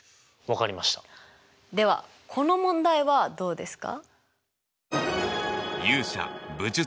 ではこの問題はどうですか？